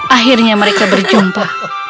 akhirnya mereka berjumpa